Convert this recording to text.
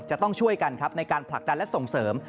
จะต้องช่วยกันครับในการผลักดันและส่งเสริม